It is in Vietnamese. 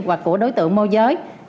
và của đối tượng mô giới